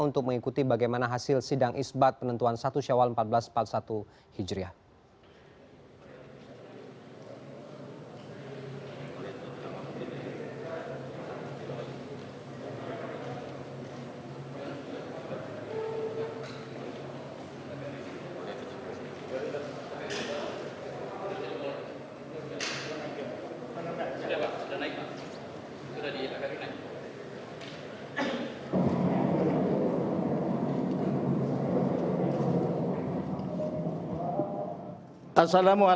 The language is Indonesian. untuk mengikuti bagaimana hasil sidang isbat penentuan satu syawal seribu empat ratus empat puluh satu hijriah